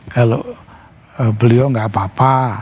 kalau beliau nggak apa apa